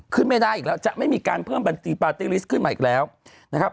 ไม่ได้อีกแล้วจะไม่มีการเพิ่มบัญชีปาร์ตี้ลิสต์ขึ้นมาอีกแล้วนะครับ